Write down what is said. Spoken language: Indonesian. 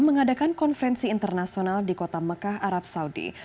mengadakan konferensi internasional di kota mekah arab saudi